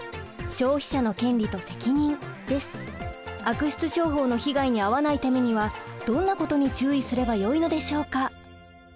悪質商法の被害に遭わないためにはどんなことに注意すればよいのでしょうか？